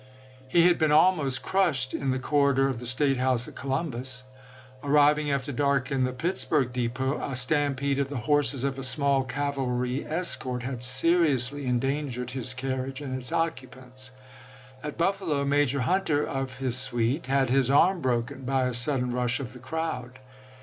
He had been almost crushed in the corridor of the State house at Columbus; arriving after dark in the Pittsburgh depot, a stampede of the horses of a small cavalry escort had seriously endangered his carriage and its occupants; at Buffalo, Major Hunter, of his suite, had his arm broken by a sud den rush of the crowd.